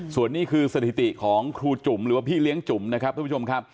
ส่วนนี้คือสถิติของครูจุ่มหรือว่าพี่เลี้ยงจุ๋ม